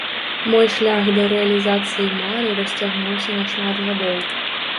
Мой шлях да рэалізацыі мары расцягнуўся на шмат гадоў.